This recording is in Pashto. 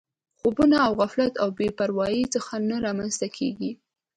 خوبونه له غفلت او بې پروایۍ څخه نه رامنځته کېږي